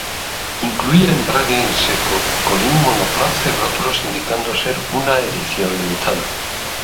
Incluía embrague en seco, colín monoplaza y rótulos indicando ser una edición limitada.